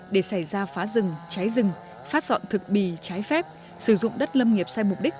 để xảy ra phá rừng cháy rừng phát dọn thực bì trái phép sử dụng đất lâm nghiệp sai mục đích